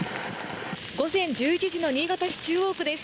午前１１時の新潟市中央区です。